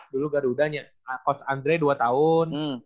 dulu garuda coach andre dua tahun